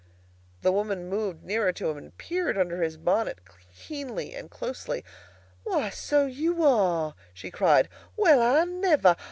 The woman moved nearer to him and peered under his bonnet keenly and closely. "Why, so you are!" she cried. "Well, I never!